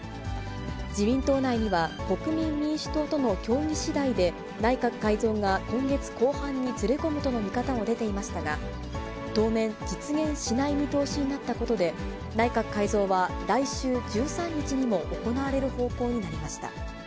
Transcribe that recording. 自民党内には、国民民主党との協議しだいで、内閣改造が今月後半にずれ込むとの見方も出ていましたが、当面、実現しない見通しになったことで、内閣改造は来週１３日にも行われる方向になりました。